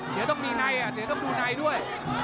เดี๋ยวต้องมีในเดี๋ยวต้องดูในด้วย